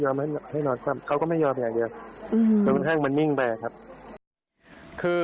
ก็เป็นค่านิ่งไปนะครับ